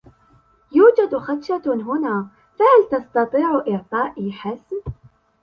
يوجد خدشة هنا ، فهل تستطيع اعطائي حسم ؟